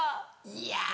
いや。